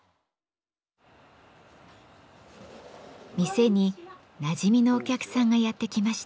店になじみのお客さんがやって来ました。